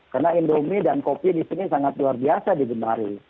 karena indomie dan kopi di sini sangat luar biasa digemari